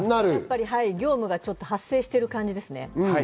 業務がちょっと発生してる感じですね。